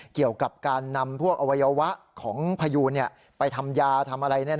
เกี่ยวกับการนำพวกอวัยวะของพยูนไปทำยาทำอะไร